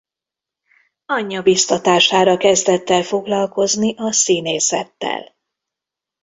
Anyja biztatására kezdett el foglalkozni a színészettel.